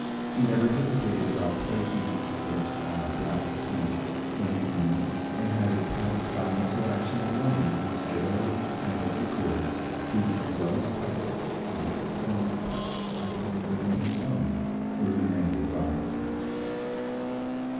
He never hesitated about placing it on a black key when convenient, and had it passed by muscle action alone in scales and broken chords whose zealous practice in different forms of touch, accent, rhythm and tone were demanded by him.